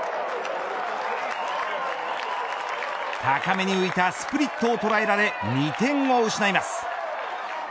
高めに浮いたスプリットを捉えられ２点を失います。